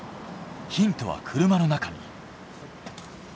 ヒントは車の中に。